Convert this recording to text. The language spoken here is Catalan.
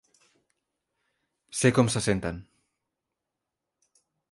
Sé com se senten.